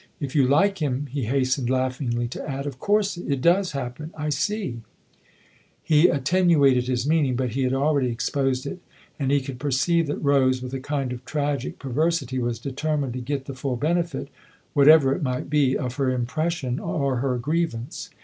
If you like him," he hastened laughingly to add, "of course it does happen I see !" He attenuated his meaning, but he had already exposed it, and he could perceive that Rose, with a kind of tragic perversity, was determined to get the full benefit, whatever it might be, of her impression or her grievance.